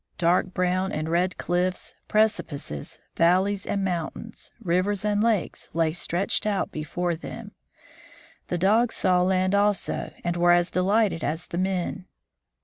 Dark brown and red cliffs, precipices, valleys and moun tains, rivers and lakes, lay stretched out before them. The dogs saw land also, and were as delighted as the men.